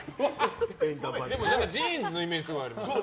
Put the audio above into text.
ジーンズのイメージすごいあります。